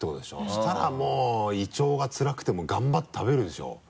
そしたらもう胃腸がつらくても頑張って食べるでしょ。